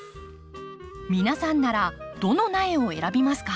皆さんならどの苗を選びますか？